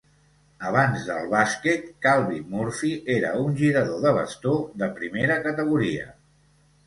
Abans del bàsquet, Calvin Murphy era un girador de bastó de primera categoria.